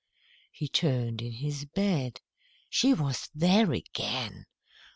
He turned in his bed; she was there again!